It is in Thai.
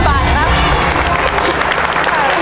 ๕๐๐๐บาทมั้ยนะครับ